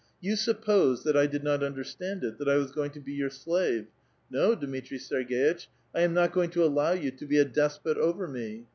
You supposed that I did not understand it ; that I was going to be your slave. No, Dmitri Serg^itch, 1 am not going to allow you to be a dosiH>t over me